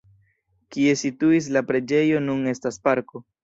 Kie situis la preĝejo nun estas parko.